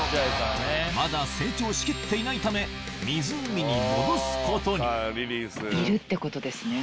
まだ成長しきっていないため湖に戻すことにいるってことですね。